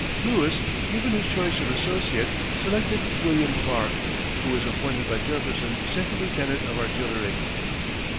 Lewis, given his choice of associate, selected William Clark, who was appointed by Jefferson second lieutenant of artillery.